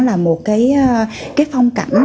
là một cái phong cảnh